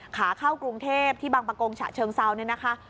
ขาเข้ากรุงเทพที่บางประกงฉะเชิงเซาเนี่ยนะคะ